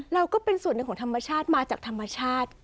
เราก็เป็นส่วนหนึ่งของธรรมชาติมาจากธรรมชาติ